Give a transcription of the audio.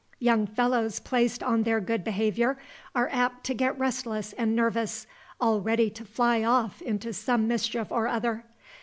Young fellows placed on their good behavior are apt to get restless and nervous, all ready to fly off into some mischief or other.